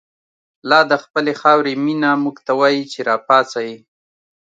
لادخپلی خاوری مینه، موږ ته وایی چه راپاڅئ